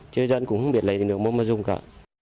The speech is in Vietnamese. chứ dân cũng không biết lấy nước mua mà dùng cả